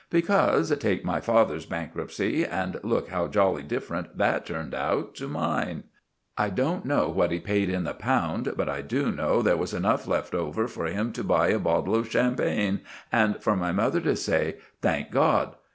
Because, take my father's bankruptcy and look how jolly different that turned out to mine. I don't know what he paid in the pound, but I do know there was enough left over for him to buy a bottle of champagne, and for my mother to say "Thank God!"